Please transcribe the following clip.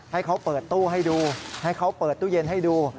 ให้เขาเปิดตู้ให้ดูให้เขาเปิดตู้เย็นให้ดู